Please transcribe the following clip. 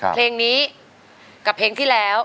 เพลงนี้กับเพลงที่แล้ว